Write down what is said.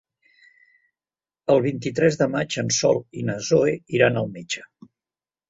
El vint-i-tres de maig en Sol i na Zoè iran al metge.